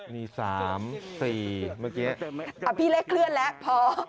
มีสามสี่เมื่อกี้พี่เลขเลื่อนแล้วพอ